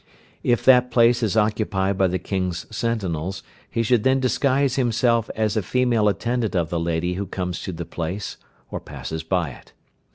If that place is occupied by the King's sentinels, he should then disguise himself as a female attendant of the lady who comes to the place, or passes by it.